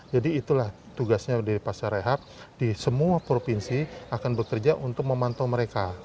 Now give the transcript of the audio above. jadi itulah tugasnya dari pasca rehab di semua provinsi akan bekerja untuk memantau mereka